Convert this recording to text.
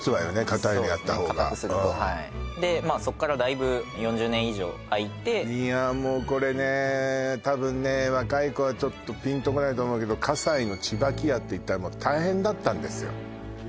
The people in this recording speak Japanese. かたいのやった方がでそっからだいぶ４０年以上空いていやもうこれねたぶんね若い子はピンとこないと思うけど葛西のちばき屋っていったら大変だったんですよ